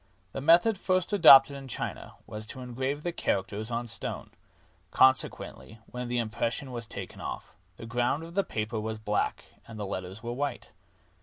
The method first adopted in China was to engrave the characters on stone ; consequently, when the impression was taken off, the ground of the paper was black and the letters were white.